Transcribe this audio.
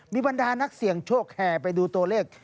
มีบรรดานักเสี่ยงโชคแห่ไปดูตัวเลข